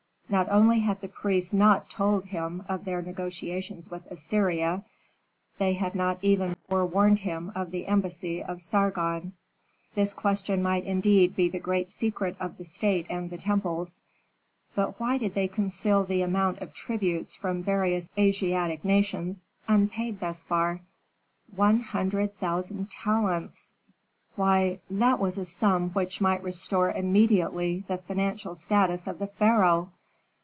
Not only had the priests not told him of their negotiations with Assyria, they had not even forewarned him of the embassy of Sargon. This question might indeed be the great secret of the state and the temples. But why did they conceal the amount of tributes from various Asiatic nations, unpaid thus far? One hundred thousand talents why, that was a sum which might restore immediately the financial status of the pharaoh!